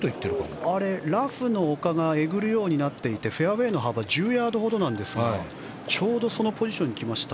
ラフの丘がえぐるようになっていてフェアウェーの幅１０ヤードほどなんですがちょうどそのポジションに来ました。